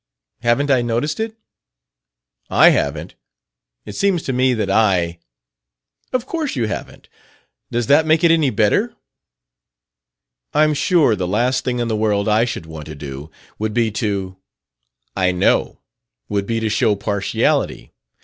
Haven't I noticed it?" "I haven't. It seems to me that I " "Of course you haven't. Does that make it any better?" "I'm sure the last thing in the world I should want to do would be to " "I know. Would be to show partiality.